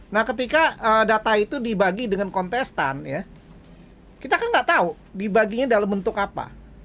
nah ketika data itu dibagi dengan kontestan ya kita kan nggak tahu dibaginya dalam bentuk apa